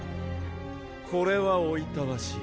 これはおいたわしい。